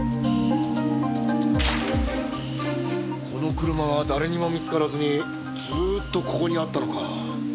この車は誰にも見つからずにずっとここにあったのか。